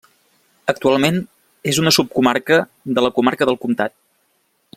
Actualment és una subcomarca de la comarca del Comtat.